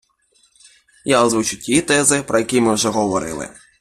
я озвучу ті тези, про які ми вже говорили.